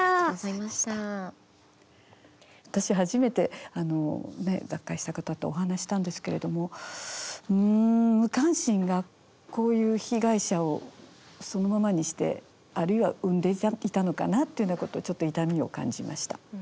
私初めて脱会した方とお話ししたんですけれどもうん無関心がこういう被害者をそのままにしてあるいは生んでいたのかなというようなことをちょっと痛みを感じました。